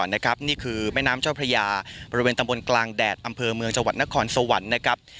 นี่คือแม่น้ำเจ้าพระยาบริเวณตำบลกลางแดดอำเภอเมืองจังหวัดนครสวรรค์นะครับ